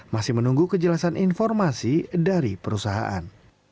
masih menunggu kejelasan informasi dari perusahaan